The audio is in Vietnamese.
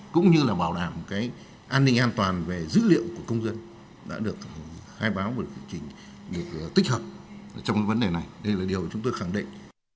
cũng như là bảo đảm cái an ninh an toàn về dữ liệu của công dân đã được khai báo một quy trình để tích hợp trong cái vấn đề này đây là điều chúng tôi khẳng định